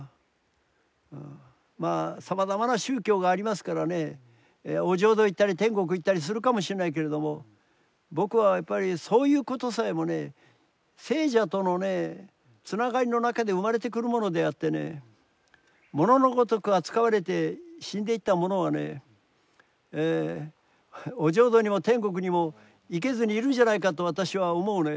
まあさまざまな宗教がありますからねお浄土行ったり天国行ったりするかもしれないけれども僕はやっぱりそういうことさえもね生者とのねつながりの中で生まれてくるものであってね物のごとく扱われて死んでいった者はねお浄土にも天国にも行けずにいるんじゃないかと私は思うね。